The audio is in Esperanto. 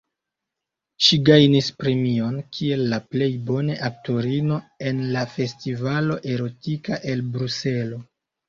Ŝi gajnis premion kiel la plej bone aktorino en la Festivalo Erotika el Bruselo.